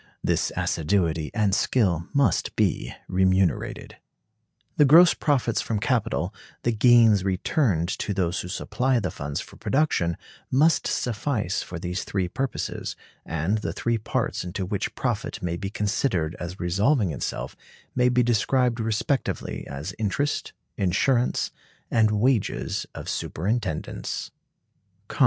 This assiduity and skill must be remunerated. The gross profits from capital, the gains returned to those who supply the funds for production, must suffice for these three purposes; and the three parts into which profit may be considered as resolving itself may be described respectively as interest, insurance, and wages of superintendence.